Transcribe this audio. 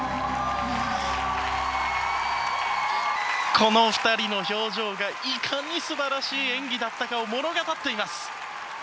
この２人の表情が、いかにすばらしい演技だったかを物語っています。